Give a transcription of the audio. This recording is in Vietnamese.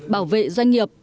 bảo vệ doanh nghiệp